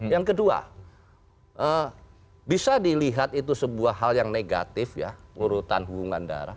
yang kedua bisa dilihat itu sebuah hal yang negatif ya urutan hubungan darah